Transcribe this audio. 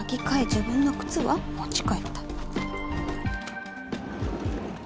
自分の靴は持ち帰った。